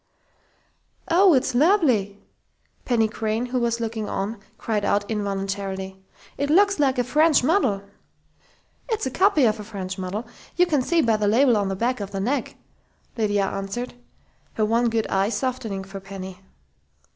"Oh, it's lovely!" Penny Crain, who was looking on, cried out involuntarily. "It looks like a French model." "It's a copy of a French model. You can see by the label on the back of the neck," Lydia answered, her one good eye softening for Penny.